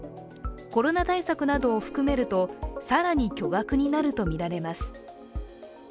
コロナ対策などを含めると更に巨額になるとみられます。